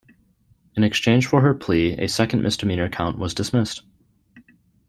In exchange for her plea, a second misdemeanor count was dismissed.